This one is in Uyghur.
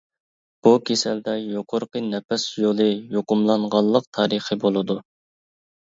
بۇ كېسەلدە يۇقىرىقى نەپەس يولى يۇقۇملانغانلىق تارىخى بولىدۇ.